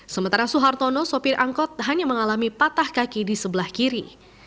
sementara suhartono sopir angkot hanya mengalami patah kaki di sebelah kiri